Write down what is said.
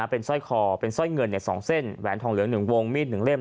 เป็นสร้อยคอเป็นสร้อยเงินเนี่ยสองเส้นแหวนทองเหลืองหนึ่งวงมีดหนึ่งเล่ม